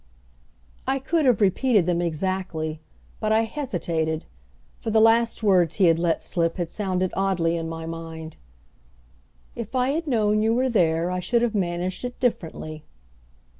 I could have repeated them exactly, but I hesitated, for the last words he had let slip had sounded oddly in my mind "If I had known you were there I should have managed it differently."